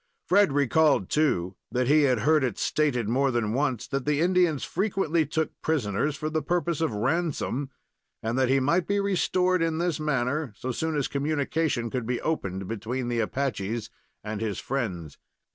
Fred recalled too, that he had heard it stated more than once that the Indians frequently took prisoners for the purpose of ransom, and that he might be restored in this manner so soon as communication could be opened between the Apaches and his friends.